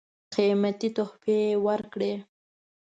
قېمتي تحفې ورکړې.